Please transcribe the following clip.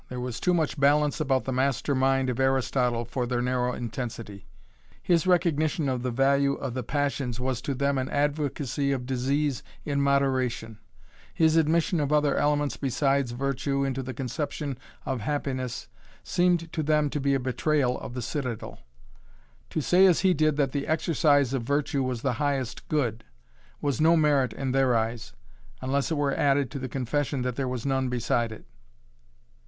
There was too much balance about the master mind of Aristotle for their narrow intensity. His recognition of the value of the passions was to them an advocacy of disease in moderation: his admission of other elements besides virtue into the conception of happiness seemed to them to be a betrayal of the citadel, to say as he did that the exercise of virtue was the highest good was no merit in their eyes, unless it were added to the confession that there was none beside it.